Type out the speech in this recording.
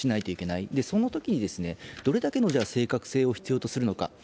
そのときに、どれだけの正確性を必要とするのか。